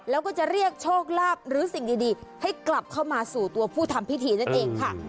แล้วก็จะเรียกโชคลาภหรือสิ่งดีให้กลับเข้ามาสู่ตัวผู้ทำพิธีนั่นเองค่ะ